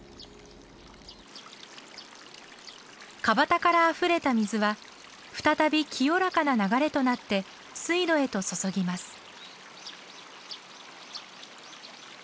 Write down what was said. かばたからあふれた水は再び清らかな流れとなって水路へと注ぎます。